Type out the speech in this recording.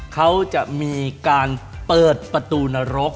เขาจะมีการเปิดประตูนรก